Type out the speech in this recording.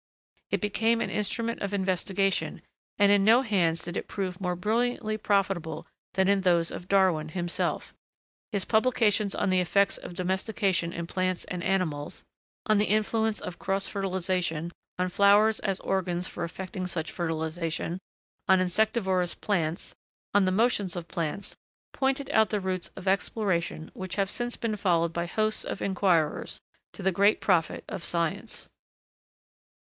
It became an instrument of investigation, and in no hands did it prove more brilliantly profitable than in those of Darwin himself. His publications on the effects of domestication in plants and animals, on the influence of cross fertilisation, on flowers as organs for effecting such fertilisation, on insectivorous plants, on the motions of plants, pointed out the routes of exploration which have since been followed by hosts of inquirers, to the great profit of science.